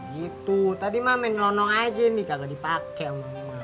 gitu tadi mak main lonong aja nih gak dipake mak